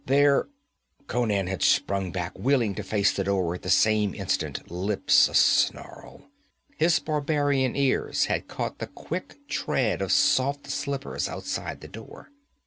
'There ' Conan had sprung back, wheeling to face the door at the same instant, lips asnarl. His barbarian ears had caught the quick tread of soft slippers outside the door.